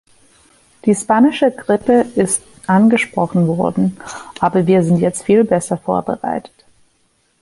Die Spanische Grippe ist angesprochen worden, aber wir sind jetzt viel besser vorbereitet.